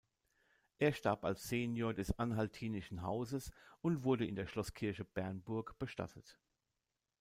Er starb als Senior des anhaltinischen Hauses und wurde in der Schlosskirche Bernburg bestattet.